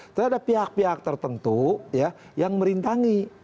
itu ada pihak pihak tertentu yang merintangi